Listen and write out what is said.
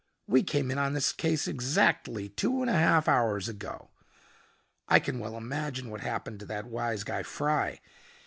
We came in on this case exactly two and a half hours ago. I can well imagine what happened to that wise guy Frey.